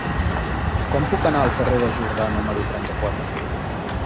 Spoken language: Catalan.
Com puc anar al carrer de Jordà número trenta-quatre?